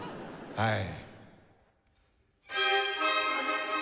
はい。